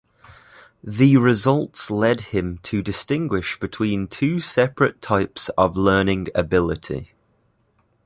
The results led him to distinguish between two separate types of learning ability.